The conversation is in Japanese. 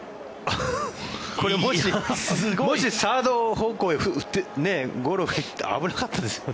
もしサード方向へゴロが行ったら危なかったですよね。